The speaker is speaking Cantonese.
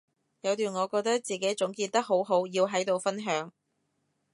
有段我覺得自己總結得好好要喺度分享